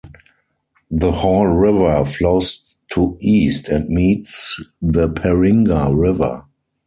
The Hall River flows to east and meets the Paringa River.